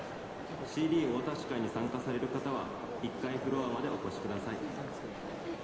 ＣＤお渡し会に参加される方は１階フロアまでお越しください。